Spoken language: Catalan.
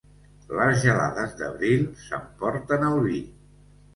Les gelades d'abril s'emporten el vi.